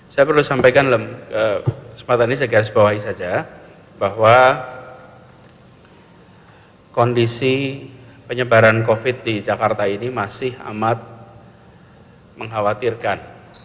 saya perlu sampaikan kesempatan ini saya garis bawahi saja bahwa kondisi penyebaran covid di jakarta ini masih amat mengkhawatirkan